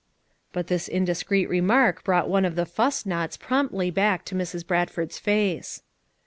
But this indiscreet remark brought one of the "fuss knots' ' promptly back to Mrs. Bradford's face.